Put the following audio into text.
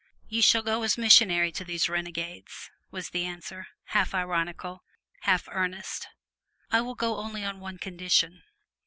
"You shall go as missionary to these renegades!" was the answer half ironical, half earnest. "I will go only on one condition."